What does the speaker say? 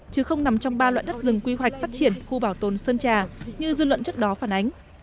chứ không nằm trong ba loại đất rừng quy hoạch phát triển khu bảo tồn sơn trà như dư luận trước đó phản ánh